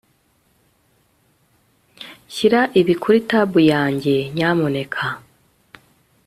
Shyira ibi kuri tab yanjye nyamuneka